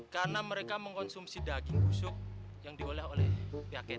karena mereka mengkonsumsi daging busuk yang diolah oleh pihak kt